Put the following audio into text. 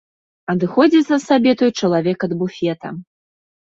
Адыходзіцца сабе той чалавек ад буфета.